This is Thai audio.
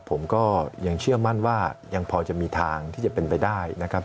ผมก็ยังเชื่อมั่นว่ายังพอจะมีทางที่จะเป็นไปได้นะครับ